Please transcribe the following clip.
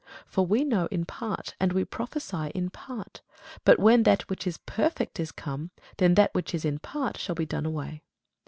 For we know in part, and we prophesy in part. But when that which is perfect is come, then that which is in part shall be done away.